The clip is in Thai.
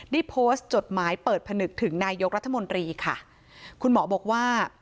ได้โพสต์จดหมายเปิดผนึกถึงนายกรัฐมนตรีค่ะคุณหมอบอกว่า